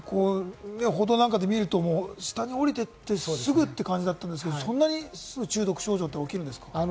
報道なんかで見ると下に降りていって、すぐって感じだったんですけれども、そんなにすぐ中毒症状って起きるんですか？